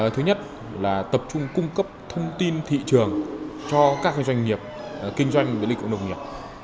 thứ nhất là tập trung cung cấp thông tin thị trường cho các doanh nghiệp kinh doanh lĩnh vực nông nghiệp